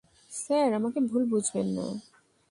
Sir, আমাকে ভুল বুঝবেন না।